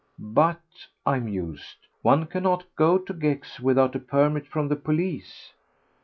"But," I mused, "one cannot go to Gex without a permit from the police."